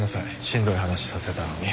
しんどい話させたのに。